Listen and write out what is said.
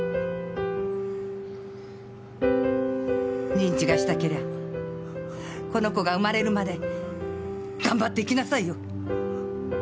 認知がしたけりゃこの子が生まれるまで頑張って生きなさいよ！